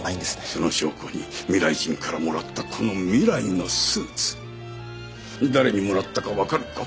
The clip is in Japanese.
その証拠に未来人からもらったこの未来のスーツ誰にもらったかわかるか？